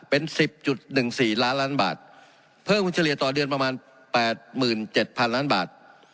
เป็น๑๐๑๔ล้านล้านบาทเพิ่มเฉลี่ยต่อเดือนประมาณ๘๗๐๐ล้านบาท